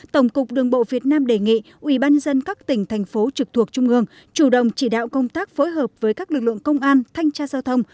tổng cục đường bộ việt nam đề nghị ubnd các tỉnh thành phố trực thuộc trung ương chủ động chỉ đạo công tác phối hợp với các lực lượng công an thanh tra giao thông